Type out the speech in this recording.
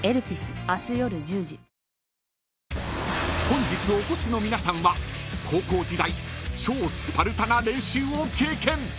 ［本日お越しの皆さんは高校時代超スパルタな練習を経験］